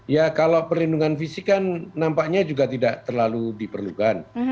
ya kalau perlindungan fisik kan nampaknya juga tidak terlalu diperlukan